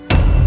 gue bisa jalan